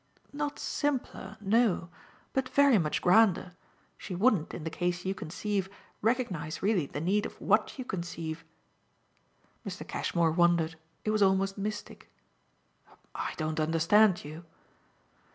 "Not simpler no; but very much grander. She wouldn't, in the case you conceive, recognise really the need of WHAT you conceive." Mr. Cashmore wondered it was almost mystic. "I don't understand you."